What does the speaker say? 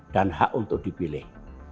dan hak untuk dipilih